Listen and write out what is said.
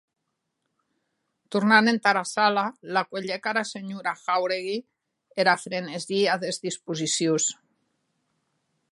Tornant entara sala, la cuelhec ara senhora Jáuregui era frenesia des disposicions.